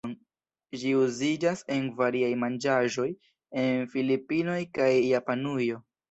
Ĝi uziĝas en variaj manĝaĵoj en Filipinoj kaj Japanujo.